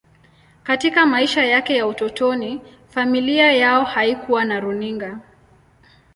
Katika maisha yake ya utotoni, familia yao haikuwa na runinga.